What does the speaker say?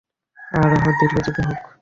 অরোরা, দীর্ঘজীবী হোক।